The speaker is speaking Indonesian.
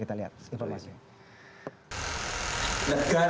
itu hal yang sangat fundamental sekali